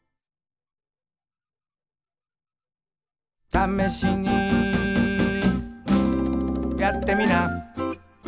「ためしにやってみな」